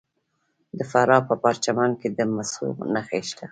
د فراه په پرچمن کې د مسو نښې شته.